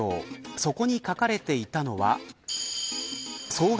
そこに書かれていたのは総額